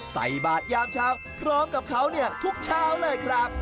ใส่บาดยามเช้าร้องกับเขาทุกเช้าเลยครับ